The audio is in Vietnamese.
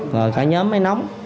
rồi cả nhóm mới nóng